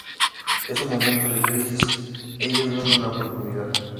En un momento de crisis, ellos ven una oportunidad.